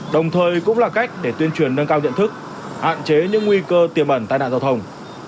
đồng thời cũng là cách để tuyên truyền nâng cao nhận thức hạn chế những nguy cơ tiềm ẩn tai nạn giao thông